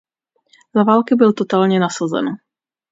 Za války byl totálně nasazen.